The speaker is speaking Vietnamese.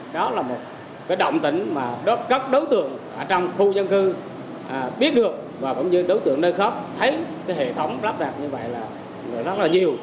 đó là một cái động tỉnh mà các đối tượng ở trong khu dân cư biết được và cũng như đối tượng nơi khác thấy cái hệ thống lắp đặt như vậy là rất là nhiều